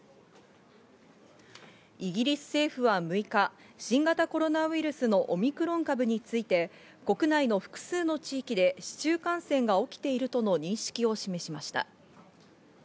イギリス政府は６日、新型コロナウイルスのオミクロン株について国内の複数の地域で市中感染が起きているとの認識を示しました。